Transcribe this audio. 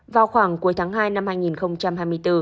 vào khoảng cuối tháng hai năm hai nghìn